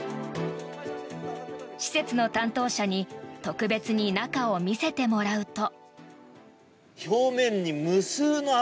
施設の担当者に特別に中を見せてもらうと。